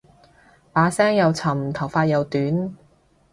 把聲又沉頭髮又短